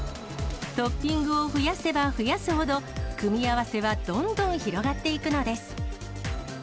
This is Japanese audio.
トッピングを増やせば増やすほど、組み合わせはどんどん広がっていくのです。